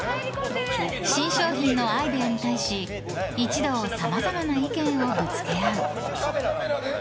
新商品のアイデアに対し一同さまざまな意見をぶつけ合う。